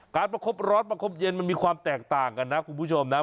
ประคบร้อนประคบเย็นมันมีความแตกต่างกันนะคุณผู้ชมนะ